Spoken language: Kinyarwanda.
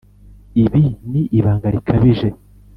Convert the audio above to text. ibi ni ibanga rikabije.